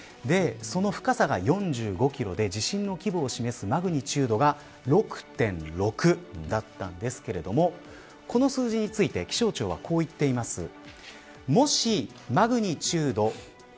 その深さが４５キロで地震の規模を示すマグニチュードが６．６だったんですけれどもこの数字について気象庁は、こう言っています。